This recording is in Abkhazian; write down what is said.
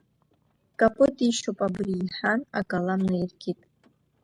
Капыт ишьоп абри, иҳан, акалам наииркит.